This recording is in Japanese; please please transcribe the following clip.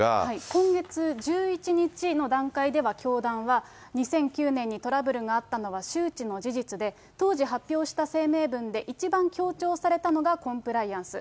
今月１１日の段階では、教団は２００９年にトラブルがあったのは周知の事実で、当時発表した声明文で、一番強調されたのがコンプライアンス。